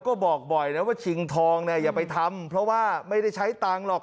ก็บอกบ่อยนะว่าชิงทองเนี่ยอย่าไปทำเพราะว่าไม่ได้ใช้ตังค์หรอก